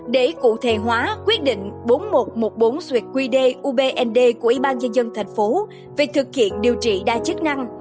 để cụ thể hóa quyết định bốn nghìn một trăm một mươi bốn suyệt quy đê ubnd của ủy ban nhân dân thành phố về thực hiện điều trị đa chức năng